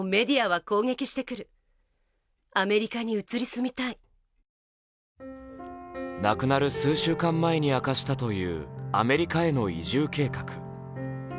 それは亡くなる数週間前に明かしたというアメリカへの移住計画。